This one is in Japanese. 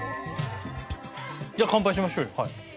じゃあ乾杯しましょうよ。